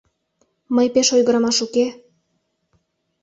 Мый пеш ойгырымаш уке...